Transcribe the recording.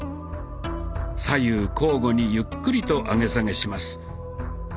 左右交互にゆっくりと上げ下げします。